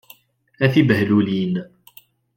A tibehlulin!